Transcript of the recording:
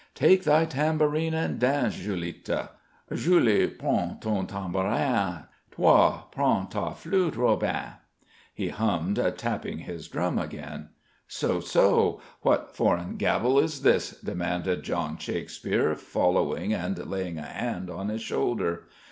"Take thy tambourine and dance, Julitta Julie, prends ton tambourin; Toi, prends ta flute, Robin," he hummed, tapping his drum again. "So? So? What foreign gabble is this?" demanded John Shakespeare, following and laying a hand on his shoulder.